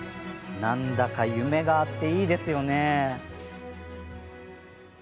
なんだか夢があっていいですよね。